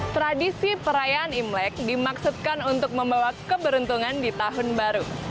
tradisi perayaan imlek dimaksudkan untuk membawa keberuntungan di tahun baru